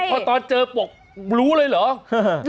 พอตอนเจอปกรู้เลยเหรอ